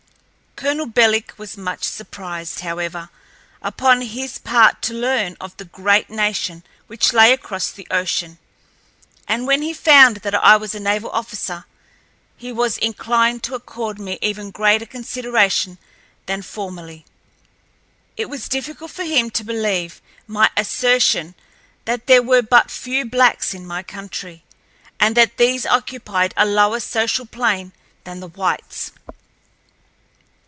Colonel Belik was much surprised, however, upon his part, to learn of the great nation which lay across the ocean, and when he found that I was a naval officer, he was inclined to accord me even greater consideration than formerly. It was difficult for him to believe my assertion that there were but few blacks in my country, and that these occupied a lower social plane than the whites.